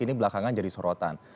ini belakangan jadi sorotan